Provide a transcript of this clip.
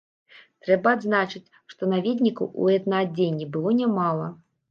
Трэба адзначыць, што наведнікаў у этнаадзенні было нямала.